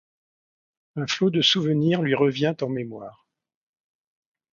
Un flot de souvenirs lui revient en mémoire.